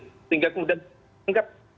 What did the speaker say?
sehingga kemudian dianggap